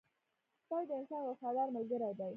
سپی د انسان وفادار ملګری دی